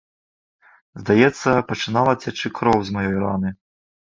Здаецца, пачынала цячы кроў з маёй раны.